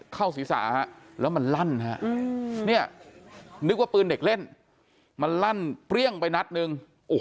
เข้าศีรษะแล้วมันลั่นฮะเนี่ยนึกว่าปืนเด็กเล่นมันลั่นเปรี้ยงไปนัดหนึ่ง